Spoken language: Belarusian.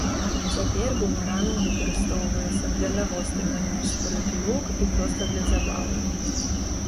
Цяпер бумеранг выкарыстоўваецца для навострывання спрыту рук і проста для забавы.